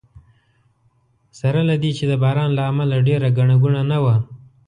سره له دې چې د باران له امله ډېره ګڼه ګوڼه نه وه.